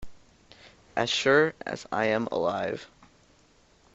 As sure as I am alive.